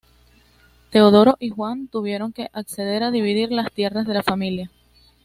Teodoro y Juan tuvieron que acceder a dividir las tierras de la familia.